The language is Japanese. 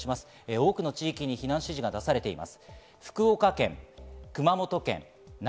多くの地域に避難指示が出されてます。